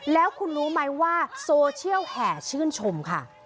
แล้วคุณรู้ไหมว่าโซเชียลแห่ชื่นชมค่ะ